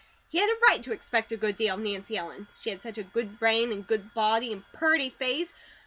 He had a right to expect a good deal of Nancy Ellen. She had such a good brain, and good body, and purty face.